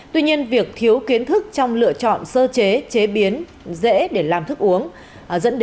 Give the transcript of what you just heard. tuy nhiên việc thiếu kiến thức trong lựa chọn sơ chế chế biến dễ để làm thức uống